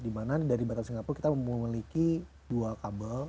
dimana dari batam ke singapur kita memiliki dua kabel